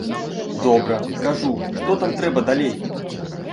Добра, кажу, што там трэба далей?